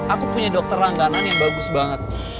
aku punya dokter langganan yang bagus banget